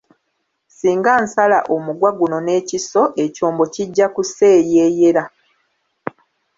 Singa nsala omugwa guno n'ekiso ekyombo kijja kuseeyeeyera.